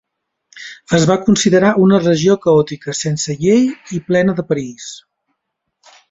Es va considerar una regió caòtica, sense llei i plena de perills.